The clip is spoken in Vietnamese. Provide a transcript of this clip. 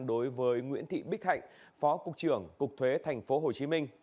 đối với nguyễn thị bích hạnh phó cục trưởng cục thuế tp hcm